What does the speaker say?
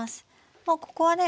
もうここはね